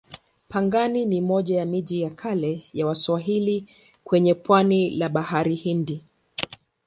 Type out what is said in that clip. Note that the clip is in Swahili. Pangani ni moja ya miji ya kale ya Waswahili kwenye pwani la Bahari Hindi.